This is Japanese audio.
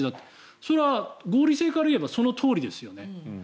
それは合理性から言えばそのとおりですよね。